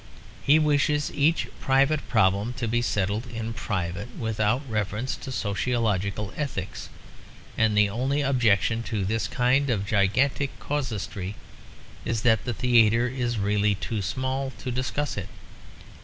He wishes each private problem to be settled in private, without reference to sociological ethics. And the only objection to this kind of gigantic casuistry is that the theatre is really too small to discuss it.